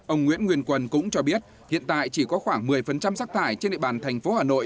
ông nguyễn nguyên quân cũng cho biết hiện tại chỉ có khoảng một mươi sắc tải trên địa bàn tp hà nội